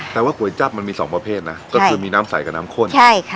แต่ว่าก๋วยจับมันมีสองประเภทนะก็คือมีน้ำใสกับน้ำข้นใช่ค่ะ